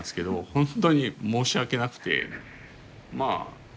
本当に申し訳なくてまあ